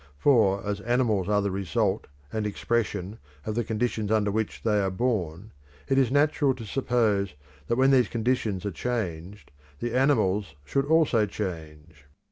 For as animals are the result and expression of the conditions under which they are born, it is natural to suppose that when these conditions are changed, the animals should also change.